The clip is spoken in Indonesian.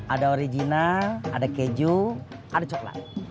ada origina ada keju ada coklat